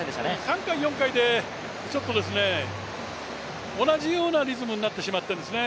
３回、４回でちょっと同じようなリズムになってしまったんですね。